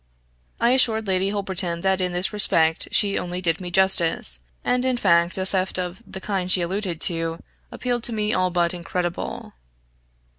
I assured Lady Holberton that in this respect she only did me justice; and, in fact, a theft of the kind she alluded to appeared to me all but incredible.